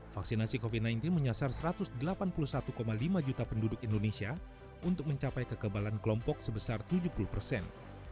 vaksinasi covid sembilan belas menyasar satu ratus delapan puluh satu lima juta penduduk indonesia untuk mencapai kekebalan kelompok sebesar tujuh puluh persen